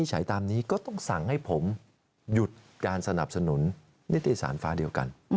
ให้ผมหยุดการสนับสนุนนิตยสารฟ้าเดียวกัน